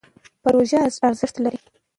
پروژه ارزښت لري.